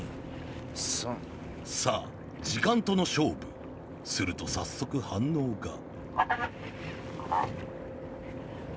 さあ時間との勝負すると早速反応が